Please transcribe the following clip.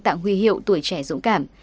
tặng huy hiệu tuổi trẻ dũng cảm